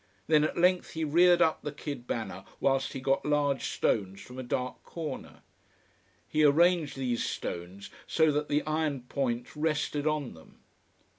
Then at length he reared up the kid banner whilst he got large stones from a dark corner. He arranged these stones so that the iron point rested on them.